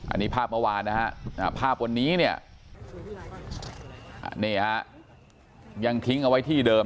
อันนี้ภาพเมื่อวานนะฮะภาพวันนี้เนี่ยนี่ฮะยังทิ้งเอาไว้ที่เดิม